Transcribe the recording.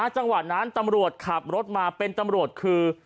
จังหวะนั้นตำรวจขับรถมาเป็นตำรวจคือ